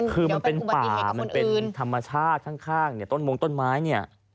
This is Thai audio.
คือมันเป็นป่ามันเป็นธรรมชาติข้างเนี่ยต้นมงต้นไม้เนี่ย